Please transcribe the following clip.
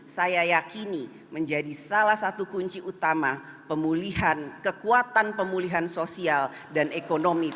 saya yakini menjadi salah satu kunci utama kekuatan pemulihan sosial dan ekonomi